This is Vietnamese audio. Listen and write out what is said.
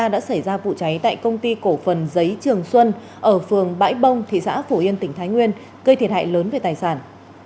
đã xảy ra vụ cháy tại công ty cổ phần giấy trường xuân ở phường bãi bông thị xã phổ yên tỉnh thái nguyên gây thiệt hại lớn về tài sản